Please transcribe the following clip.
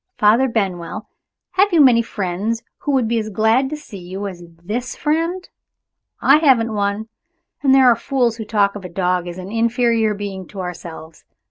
Father Benwell, have you many friends who would be as glad to see you as this friend? I haven't one. And there are fools who talk of a dog as an inferior being to ourselves!